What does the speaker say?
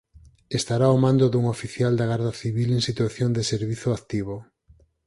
Estará ao mando dun Oficial da Garda Civil en situación de servizo activo.